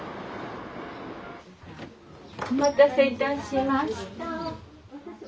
お待たせいたしました。